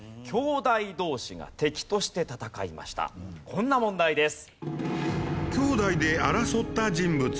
こんな問題です。